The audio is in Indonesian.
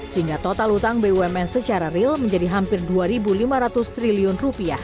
sehingga total utang bumn secara real menjadi hampir rp dua lima ratus triliun